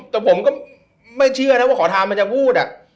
แต่ผมก็ไม่เชื่อนะว่าขอทานมันจะพูด